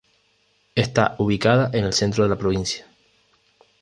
Está ubicada en el centro de la provincia.